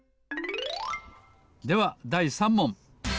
ではだい３もん！